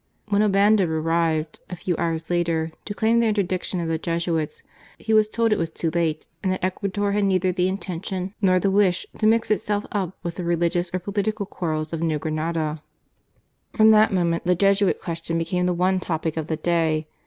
When Obando arrived, a few hours later, to claim the interdiction of the Jesuits, he was told it was too late and that Ecuador had neither the intention nor the wish to mix itself up with the religious or political quarrels of New Grenada. From that moment the Jesuit question became the one topic of the day.